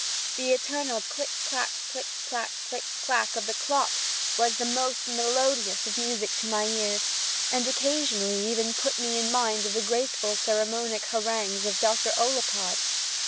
The eternal click clak, click clak, click clak of the clock was the most melodious of music in my ears, and occasionally even put me in mind of the graceful sermonic harangues of Dr. Ollapod.